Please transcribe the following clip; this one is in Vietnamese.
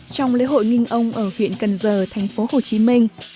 trong lễ hội nginh âu ở huyện cần giờ thành phố hồ chí minh